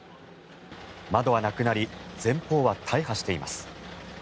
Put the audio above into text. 窓はなくなり前方は大破しています。